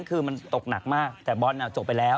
คือรุ่นน้องผมเป็นดีเจ